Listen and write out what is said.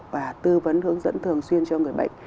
và tư vấn hướng dẫn thường xuyên cho người bệnh